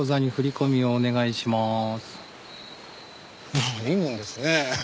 ああいいもんですねぇ